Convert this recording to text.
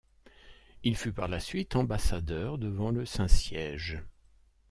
Il fut par la suite ambassadeur devant le Saint-Siège.